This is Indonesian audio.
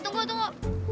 eh tunggu tunggu